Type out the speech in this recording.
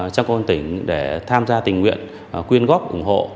cho công an tỉnh để tham gia tình nguyện quyên góp ủng hộ